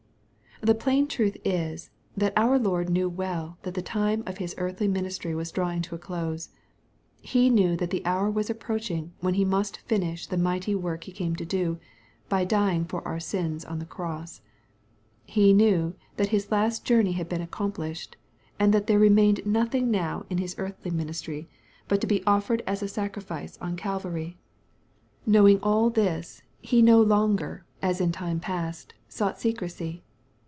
The plain truth is, that our Lord knew well that the time of His earthly ministry was drawing to a close. He knew that the hour was approaching when He must finish the mighty work He came to do, by dying for our sins upon the cross. He knew that His last journey had been accomplished, and that there remained nothing now in His earthly ministry, but to 264 EXPOSITOBY THOUGHTS. be offered as a sacrifice on Calvary. Knowing all this, He no longer, as in time past, sought secrecy.